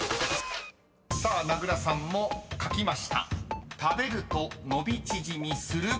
［さあ名倉さんも書きました］